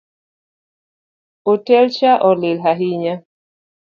Otel cha olil ahinya